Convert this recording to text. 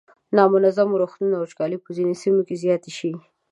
نامنظم ورښتونه او وچکالۍ به په ځینو سیمو کې زیاتې شي.